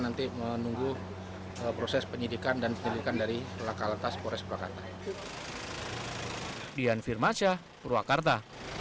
nanti menunggu proses penyidikan dan penyelidikan dari laka lantas polres purwakarta